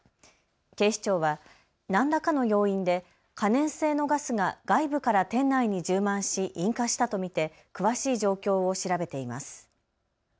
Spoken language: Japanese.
警視庁は何らかの要因で可燃性のガスが外部から店内に充満し引火したと見て詳しい状況を調べています。